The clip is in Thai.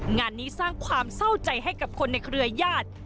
งานนี้สร้างความเศร้าใจให้กับคนในเครือญาติ